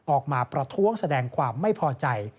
ประท้วงแสดงความไม่พอใจ